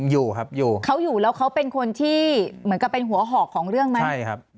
อยู่ครับอยู่เขาอยู่แล้วเขาเป็นคนที่เหมือนกับเป็นหัวหอกของเรื่องไหมใช่ครับ